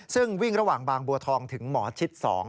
ซึ่งวิ่งระหว่างบางบัวทองถึงหมอชิด๒